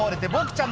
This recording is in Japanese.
ちゃん